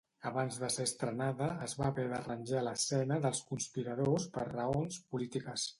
Abans de ser estrenada, es va haver d'arranjar l'escena dels conspiradors per raons polítiques.